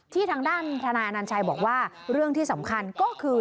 ทางด้านทนายอนัญชัยบอกว่าเรื่องที่สำคัญก็คือ